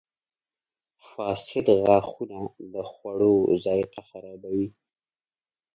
• فاسد غاښونه د خوړو ذایقه خرابوي.